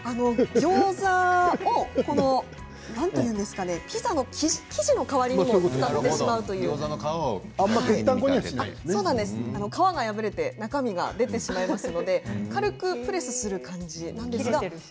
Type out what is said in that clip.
ギョーザをなんというんですかねピザの生地の代わりにあまりぺったんこには皮が破れて中身が出るので軽くプレスする感じなんです。